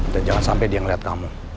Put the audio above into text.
dan jangan sampe dia ngeliat kamu